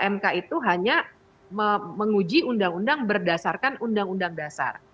mk itu hanya menguji undang undang berdasarkan undang undang dasar